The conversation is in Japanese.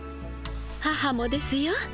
母もですよ。